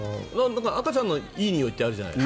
赤ちゃんのいいにおいってあるじゃない。